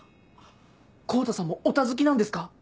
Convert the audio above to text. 康太さんもオタ好きなんですか？